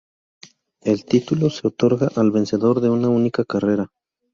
El título se otorga al vencedor de una única carrera.